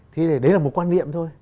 thì đấy là một quan niệm thôi